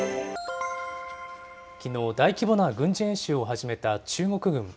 きのう大規模な軍事演習を始めた中国軍。